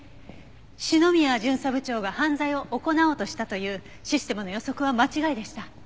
篠宮巡査部長が犯罪を行おうとしたというシステムの予測は間違いでした。